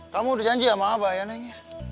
kamu udah janji sama abah ya neng